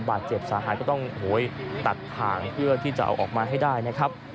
บาดเจ็บสาหัสก็ต้องโหยตัดถ่างเพื่อที่จะเอาออกมาให้ได้นะครับ